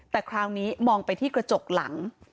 แต่คราวนี้มองไปที่กระจกหลัง